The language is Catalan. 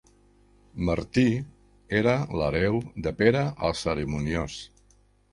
Martí era l'hereu de Pere el Cerimoniós.